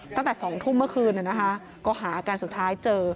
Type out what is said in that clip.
ตั้งแต่๒ทุ่มเมื่อคืนก็หากันสุดท้ายเจอ